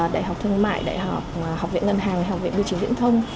đại học thương mại đại học học viện ngân hàng học viện bưu chính viễn thông